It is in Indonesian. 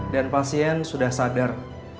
dan pasien sudah sadar